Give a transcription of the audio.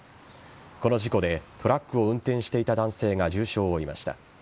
この事故でトラックを運転していた男性が重傷を負いました。